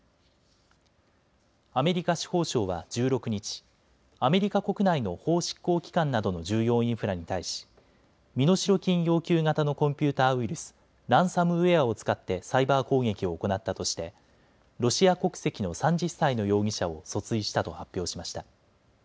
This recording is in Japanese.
アメリカ司法省は１６日、アメリカ国内の法執行機関などの重要インフラに対し身代金要求型のコンピューターウイルス、ランサムウエアを使ってサイバー攻撃を行ったとしてロシア国籍の３０歳の容疑者を訴追したと発表しました。